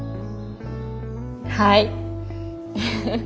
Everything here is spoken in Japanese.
はい。